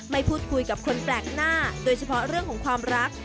พูดคุยกับคนแปลกหน้าโดยเฉพาะเรื่องของความรัก